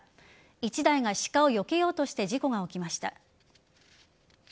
１台がシカをよけようとして事故が起きました。